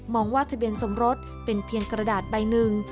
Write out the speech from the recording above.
ว่าทะเบียนสมรสเป็นเพียงกระดาษใบหนึ่ง